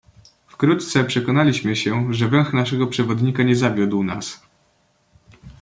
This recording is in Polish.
"Wkrótce przekonaliśmy się, że węch naszego przewodnika nie zawiódł nas."